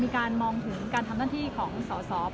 มีการมองถึงการทำหน้าที่ของสอสอ